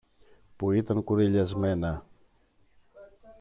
που ήταν κουρελιασμένα